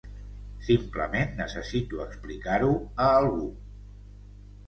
Simplement necessito explicar-ho a algú.